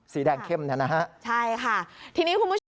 สีแดงเข้มเนี่ยนะฮะใช่ค่ะทีนี้คุณผู้ชม